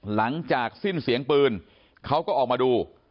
หลังจากสิ้นเสียงปืนเขาก็ออกมาดู